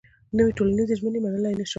نوې ټولنيزې ژمنې منلای نه شم.